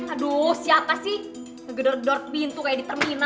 aduh siapa sih ngedor dor pintu kayak di terminal